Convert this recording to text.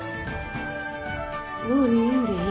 もう逃げんでいい。